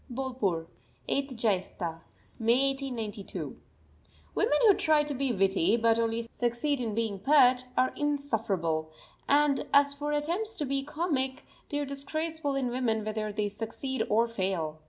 BOLPUR, 8_th Jaistha_ (May) 1892. Women who try to be witty, but only succeed in being pert, are insufferable; and as for attempts to be comic they are disgraceful in women whether they succeed or fail.